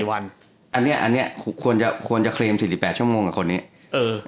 อันนี้ควรจะเคลียร์๔๘ชั่วโมงกับคนนี้